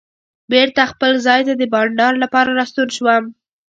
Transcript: بېرته خپل ځای ته د بانډار لپاره راستون شوم.